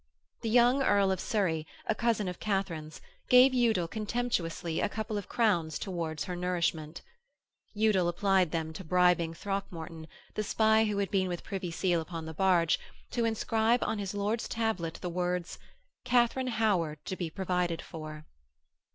The young Earl of Surrey, a cousin of Katharine's, gave Udal contemptuously a couple of crowns towards her nourishment. Udal applied them to bribing Throckmorton, the spy who had been with Privy Seal upon the barge, to inscribe on his lord's tablets the words: 'Katharine Howard to be provided for.'